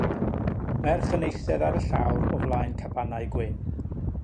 Merch yn eistedd ar y llawr o flaen cabanau gwyn